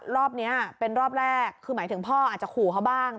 รอบนี้เป็นรอบแรกคือหมายถึงพ่ออาจจะขู่เขาบ้าง